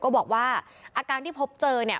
ก็บอกว่าอาการที่พบเจอ